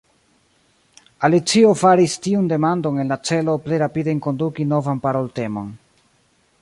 Alicio faris tiun demandon en la celo plej rapide enkonduki novan paroltemon.